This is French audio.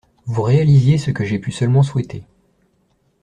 Vous réalisiez ce que j'ai pu seulement souhaiter.